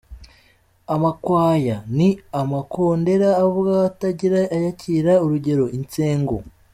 Amakwaya : Ni amakondera avuga atagira ayakira, Urugero:Insengo.